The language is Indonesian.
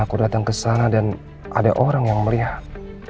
aku datang kesana dan ada orang yang melihat